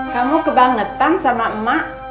kamu kebangetan sama emak